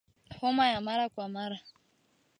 Homa ya mara kwa mara